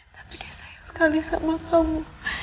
tapi sayang sekali sama kamu